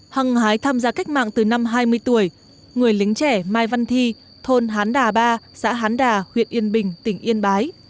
hằng hái tham gia cách mạng từ năm hai mươi tuổi người lính trẻ mai văn thi thôn hán đà ba xã hán đà huyện yên bình tỉnh yên bái